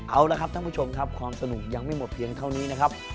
เอาละครับท่านผู้ชมครับความสนุกยังไม่หมดเพียงเท่านี้นะครับ